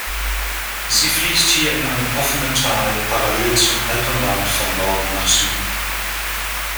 Sie fließt hier in einem offenen Tal parallel zum Alpenrand von Norden nach Süden.